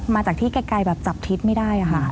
มาจากที่ไกลแบบจับทิศไม่ได้ค่ะ